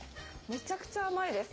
めちゃくちゃ甘いです。